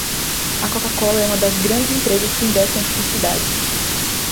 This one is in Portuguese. A coca cola é uma das grandes empresas que investem em publicidade